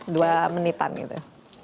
dua menitan gitu